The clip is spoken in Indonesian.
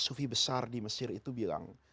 sufi besar di mesir itu bilang